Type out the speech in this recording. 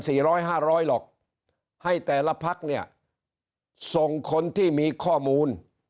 ร้อยห้าร้อยหรอกให้แต่ละพักเนี่ยส่งคนที่มีข้อมูล